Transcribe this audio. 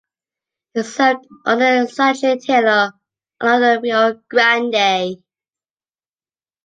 He served under Zachary Taylor along the Rio Grande.